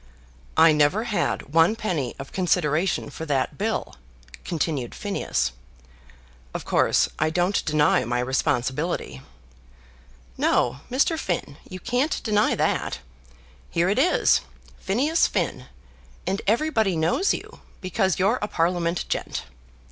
"I never had one penny of consideration for that bill," continued Phineas. "Of course, I don't deny my responsibility." "No, Mr. Finn; you can't deny that. Here it is; Phineas Finn; and everybody knows you, because you're a Parliament gent."